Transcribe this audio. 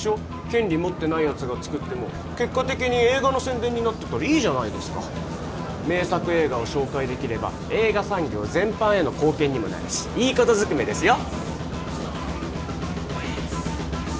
権利持ってないやつが作っても結果的に映画の宣伝になってたらいいじゃないですか名作映画を紹介できれば映画産業全般への貢献にもなるしいいことずくめですよ